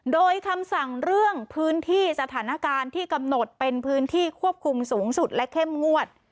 โดยคำสั่งเรื่องพื้นที่สถานการณ์ที่กำหนดเป็นพื้นที่ควบคุมสูงสุดและเข้มงวด